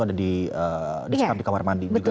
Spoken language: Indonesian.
ada disekap di kamar mandi